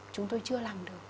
chúng tôi chưa làm được